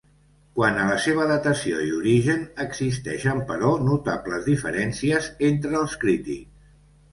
Quant a la seva datació i origen existeixen però notables diferències entre els crítics.